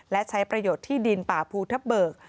และใช้ประโยชน์ที่ดินป่าภูทับเบิก